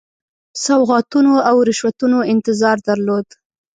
سوغاتونو او رشوتونو انتظار درلود.